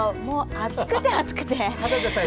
暑くて暑くて。